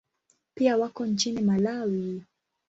Pia wako nchini Malawi.